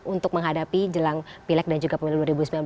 untuk menghadapi jelang pilek dan juga pemilu dua ribu sembilan belas